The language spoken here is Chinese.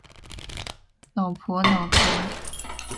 脑婆脑婆